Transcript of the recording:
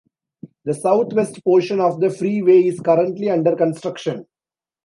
The southwest portion of the freeway is currently under construction.